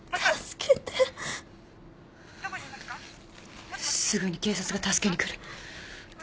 すぐに警察が助けに来る。